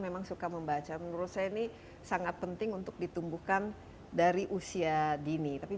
memang suka membaca menurut saya ini sangat penting untuk ditumbuhkan dari usia dini tapi